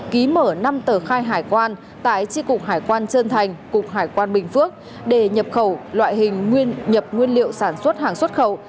ký mở năm tờ khai hải quan tại tri cục hải quan trân thành cục hải quan bình phước để nhập khẩu loại hình nguyên nhập nguyên liệu sản xuất hàng xuất khẩu